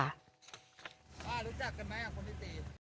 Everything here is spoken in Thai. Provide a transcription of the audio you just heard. ป้ารู้จักกันไหมกับคนที่ตี